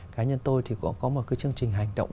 cá nhân tôi thì cũng có một cái chương trình hành động